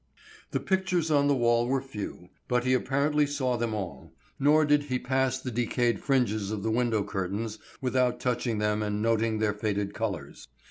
The pictures on the wall were few, but he apparently saw them all, nor did he pass the decayed fringes of the window curtains without touching them and noting their faded colors.